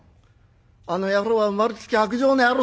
あの野郎は生まれつき薄情な野郎。